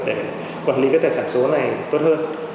để quản lý cái tài sản số này tốt hơn